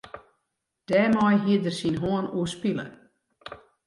Dêrmei hied er syn hân oerspile.